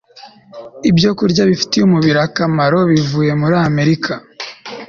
ibyokurya bifitiye umubiri akamaro bivuye muri Amerika